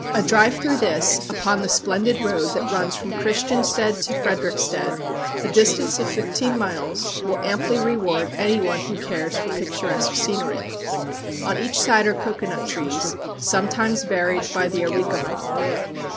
A drive through this, upon the splendid road that runs from Christiansted to Frederiksted, a distance of fifteen miles, will amply reward anyone who cares for picturesque scenery. On each side are cocoanut trees, sometimes varied by the areca palm.